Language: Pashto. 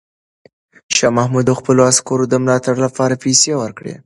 شاه محمود د خپلو عسکرو د ملاتړ لپاره پیسې ورکړې.